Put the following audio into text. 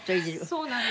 そうなんです。